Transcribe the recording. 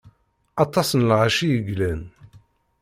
Aṭas n lɣaci i yellan.